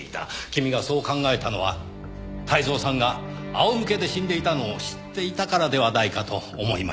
君がそう考えたのは泰造さんが仰向けで死んでいたのを知っていたからではないかと思いました。